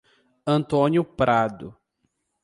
Antônio Prado